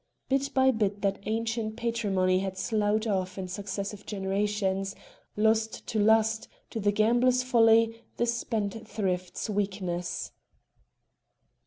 Bit by bit that ancient patrimony had sloughed off in successive generations, lost to lust, to the gambler's folly, the spendthrift's weakness.